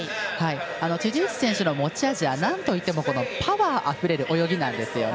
辻内選手の持ち味はなんといってもパワーあふれる泳ぎなんです。